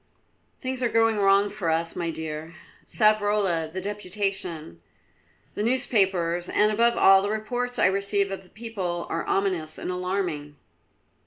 "Things are going wrong with us, my dear. Savrola, the deputation, the newspapers, and, above all, the reports I receive of the people, are ominous and alarming."